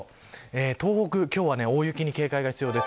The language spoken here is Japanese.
東北、今日は大雪に警戒が必要です。